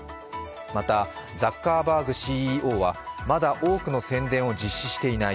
また、ザッカーバーグＣＥＯはまだ多くの宣伝を実施していない。